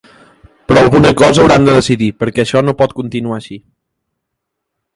Però alguna cosa hauran de decidir, perquè això no pot continuar així.